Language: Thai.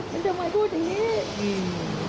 มันทำไมพูดอย่างนี้